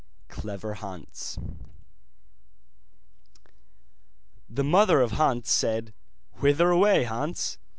CLEVER HANS The mother of Hans said: 'Whither away, Hans?